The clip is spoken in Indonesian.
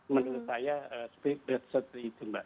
menurut saya seperti itu mbak